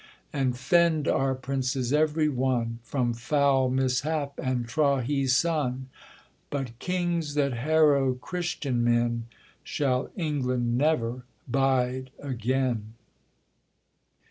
And fend our princes every one, From foul mishap and trahison; But kings that harrow Christian men Shall England never bide again.